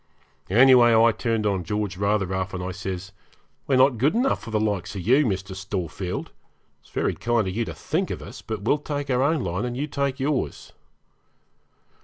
Anyway, I turned on George rather rough, and I says, 'We're not good enough for the likes of you, Mr. Storefield. It's very kind of you to think of us, but we'll take our own line and you take yours.'